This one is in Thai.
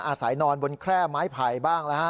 อาศัยนอนบนแคร่ไม้ไผ่บ้างนะฮะ